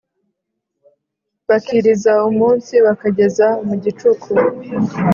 Bakiriza umunsi bakageza mu gicuku